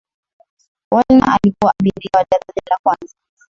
woolner alikuwa abiria wa daraja la kwanza